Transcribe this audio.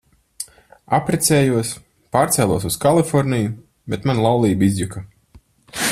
Apprecējos, pārcēlos uz Kaliforniju, bet mana laulība izjuka.